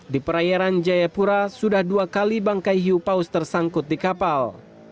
di perairan jayapura sudah dua kali bangkai hiu paus tersangkut di kapal